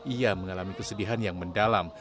ia mengalami kesedihan yang mendalam